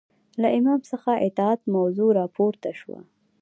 له امام څخه اطاعت موضوع راپورته شوه